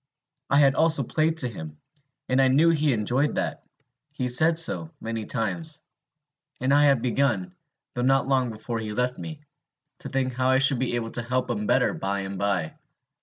I had also played to him, and I knew he enjoyed that: he said so, many times. And I had begun, though not long before he left me, to think how I should be able to help him better by and by.